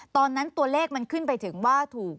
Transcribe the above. ตอนนั้นตัวเลขมันขึ้นไปถึงว่าถูก